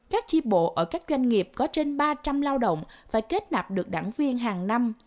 các chi bộ ở các doanh nghiệp có trên ba trăm linh lao động phải kết nạp được đảng viên hàng năm